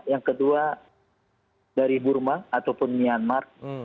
yang kedua dari burma ataupun myanmar